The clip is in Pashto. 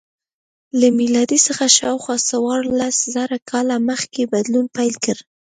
له میلاد څخه شاوخوا څوارلس زره کاله مخکې بدلون پیل کړ.